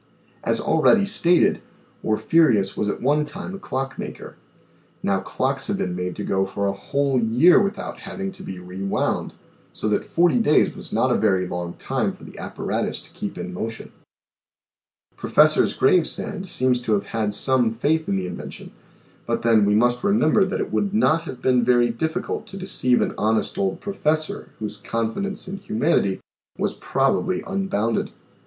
As already stated, Orffyreus was at one time a clock maker ; now clocks have been made to go for a whole year without having to be rewound, so that forty days was not a very long time for the apparatus to keep in motion. 78 THE SEVEN FOLLIES OF SCIENCE Professor 'sGravesande seems to have had some faith in the invention, but then we must remember that it would not have been very difficult to deceive an honest old pro fessor whose confidence in humanity was probably un bounded.